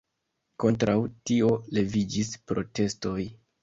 Kontraŭ tio leviĝis protestoj.